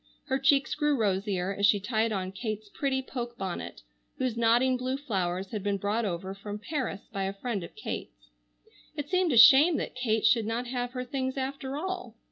Her cheeks grew rosier as she tied on Kate's pretty poke bonnet whose nodding blue flowers had been brought over from Paris by a friend of Kate's. It seemed a shame that Kate should not have her things after all.